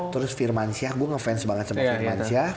terus firman syah gue ngefans banget sama firman syah